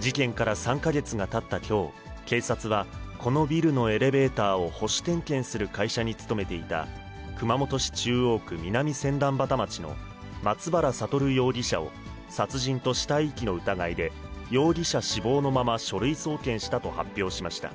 事件から３か月がたったきょう、警察は、このビルのエレベーターを保守点検する会社に勤めていた、熊本市中央区南千反畑町の松原聡容疑者を、殺人と死体遺棄の疑いで容疑者死亡のまま、書類送検したと発表しました。